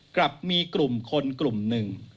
กลับมีกลุ่มคนกลุ่มหนึ่ง